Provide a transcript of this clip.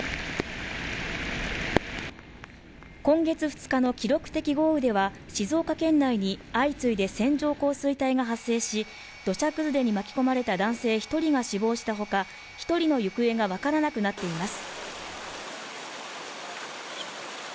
今月２日の記録的豪雨では、静岡県内に相次いで線状降水帯が発生し土砂崩れに巻き込まれた男性１人が死亡したほか１人の行方がわからなくなっています。